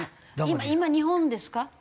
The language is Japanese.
今日本ですか？